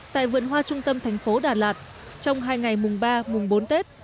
tại vườn hoa trung tâm thành phố đà lạt trong hai ngày mùng ba mùng bốn tết